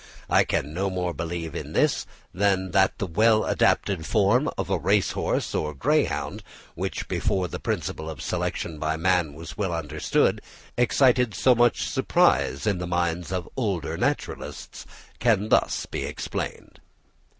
I can no more believe in this than that the well adapted form of a race horse or greyhound, which before the principle of selection by man was well understood, excited so much surprise in the minds of the older naturalists, can thus be explained.